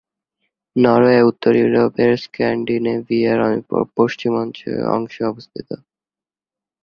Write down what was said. Norway উত্তর ইউরোপের স্ক্যান্ডিনেভিয়ার পশ্চিম অংশে অবস্থিত।